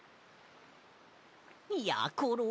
やころ。